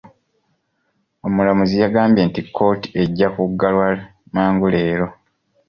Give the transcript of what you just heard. Omulamuzi yagambye nti kkooti ejja kuggalwa mangu leero.